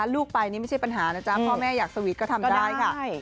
ลูกไปนี่ไม่ใช่ปัญหานะจ๊ะพ่อแม่อยากสวีทก็ทำได้ค่ะ